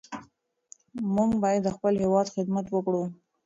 موږ باید د خپل هېواد خدمت وکړو.